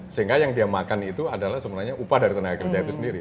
sehingga yang dia makan itu adalah sebenarnya upah dari tenaga kerja itu sendiri